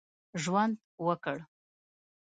ژوند وکړ.